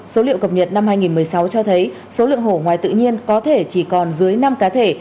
số liệu cập nhật năm hai nghìn một mươi sáu cho thấy số lượng hổ ngoài tự nhiên có thể chỉ còn dưới năm cá thể